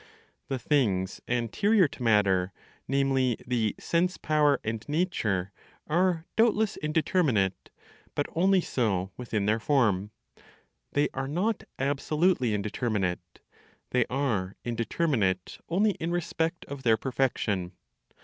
The things anterior (to matter, namely, the sense power and nature), are doubtless indeterminate, but only so within their form; the are not absolutely indeterminate; they are indeterminate only in respect of their perfection.